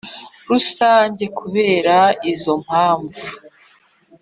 Rusange kubera izo mpamvu